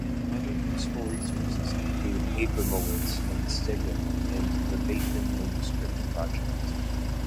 Other useful resources include Abramowitz and Stegun and the Bateman Manuscript Project.